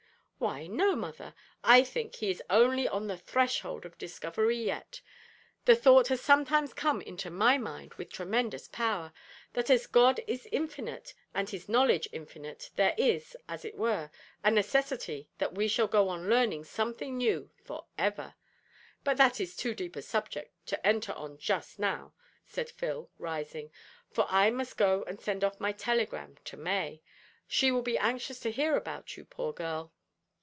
"Why, no, mother, I think he is only on the threshold of discovery yet. The thought has sometimes come into my mind with tremendous power, that as God is infinite, and His knowledge infinite, there is, as it were, a necessity that we shall go on learning something new for ever! But that is too deep a subject to enter on just now," said Phil, rising, "for I must go and send off my telegram to May she will be anxious to hear about you, poor girl.